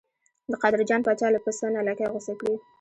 د قادر جان پاچا له پسه نه لکۍ غوڅه کړې.